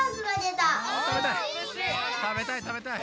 たべたいたべたい！